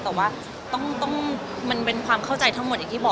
แต่ว่าต้องมันเป็นความเข้าใจทั้งหมดอย่างที่บอก